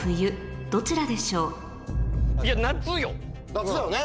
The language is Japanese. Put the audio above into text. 夏だよね。